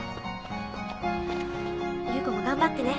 夕子も頑張ってね。